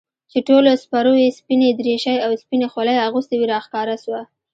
چې ټولو سپرو يې سپينې دريشۍ او سپينې خولۍ اغوستې وې راښکاره سوه.